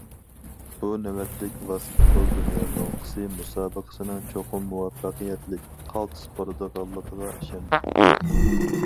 بۇ نۆۋەتلىك ۋاسكېتبول دۇنيا لوڭقىسى مۇسابىقىسىنىڭ چوقۇم مۇۋەپپەقىيەتلىك، قالتىس بولىدىغانلىقىغا ئىشەندى.